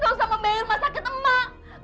gak usah membayar masyarakat emak